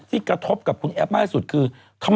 กระทบกับคุณแอฟมากสุดคือ